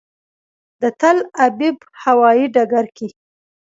د تل ابیب هوایي ډګر کې.